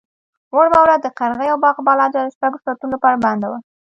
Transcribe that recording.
وړمه ورځ د قرغې او باغ بالا جاده شپږو ساعتونو لپاره بنده وه.